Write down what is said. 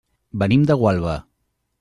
Venim de Gualba.